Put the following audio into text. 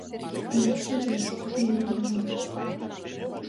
Ой, чеверын, чеверын да